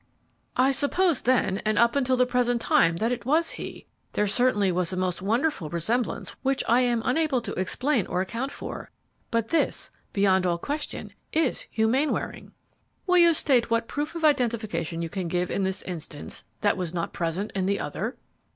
"I supposed then, and up until the present time, that it was he; there certainly was a most wonderful resemblance which I am unable to explain or account for, but this, beyond all question, is Hugh Mainwaring." "Will you state what proof of identification you can give in this instance that was not present in the other?"